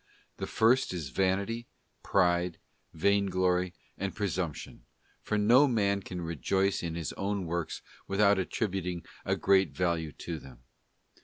The first is vanity, pride, vain glory, and presumption, on for no man can rejoice in his own works without attributing a great value to them.